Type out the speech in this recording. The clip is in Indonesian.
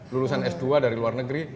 lulusan s dua dari luar negeri